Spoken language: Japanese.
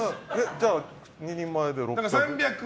じゃあ、２人前で６００。